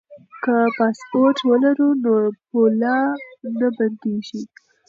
که پاسپورټ ولرو نو پوله نه بندیږي.